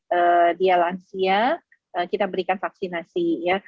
kalau dia lansia kita berikan vaksinasi